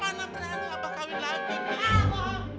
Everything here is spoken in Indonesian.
mana berani abah kawin lagi miss